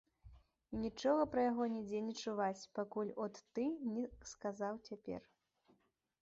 І нічога пра яго нідзе не чуваць, пакуль от ты не сказаў цяпер.